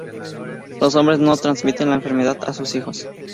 Los hombres no transmiten la enfermedad a sus hijos.